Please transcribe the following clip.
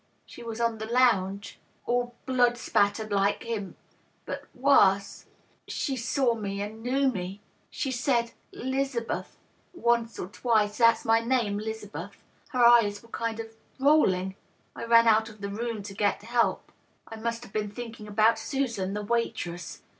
She was on the lounge, all blood spattered like him, but worse. .. She saw me and knew me. She said ^ 'Lizabeth,' once or twice — ^that's my name •• 'Lizabeth. Her eyes were kind of rolling. I ran out of the room to get help. I must have been thinking about Susan, the waitress.